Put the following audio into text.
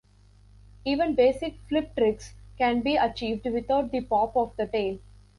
Even basic flip tricks can be achieved without the "pop" of the tail.